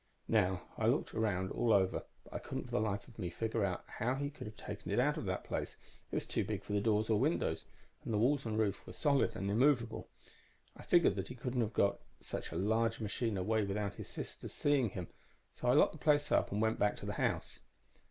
"Now, I looked around all over, but I couldn't for the life of me figure out how he could have taken it out of that place; it was too big for doors or windows, and the walls and roof were solid and immovable. I figured that he couldn't have got such a large machine away without his sister's seeing him; so I locked the place up and went back to the house.